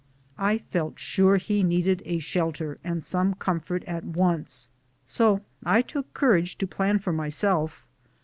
I felt sure he needed a shel ter and some comfort at once, so I took courage to plan for myself.